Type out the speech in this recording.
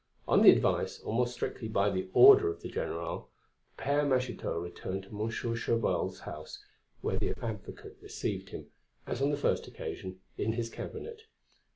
On the advice, or more strictly by the order of the General, the Père Magitot returned to Monsieur Chauvel's house, where the advocate received him, as on the first occasion, in his cabinet.